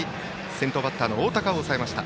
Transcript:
先頭バッターの大高を抑えました。